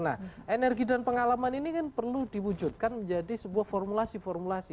nah energi dan pengalaman ini kan perlu diwujudkan menjadi sebuah formulasi formulasi